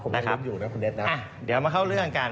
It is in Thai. ผมยังล้นอยู่นะคุณเดชน์นะครับอ่ะเดี๋ยวมาเข้าเรื่องกัน